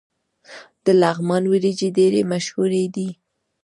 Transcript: د لغمان وریجې ډیرې مشهورې دي.